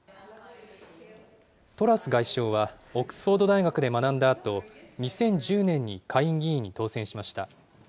トラス外相は、オックスフォード大学で学んだあと、２０１０年に下院議員に当選しました。